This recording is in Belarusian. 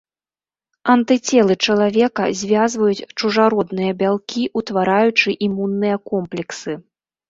Антыцелы чалавека звязваюць чужародныя бялкі, утвараючы імунныя комплексы.